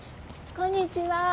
こんにちは。